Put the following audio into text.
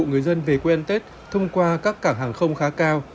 cho người dân về quê an tết thông qua các cảng hàng không khá cao